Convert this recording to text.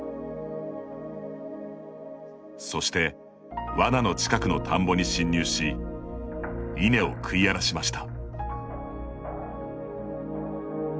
そしてわなの近くの田んぼに侵入し稲を食い荒らしました。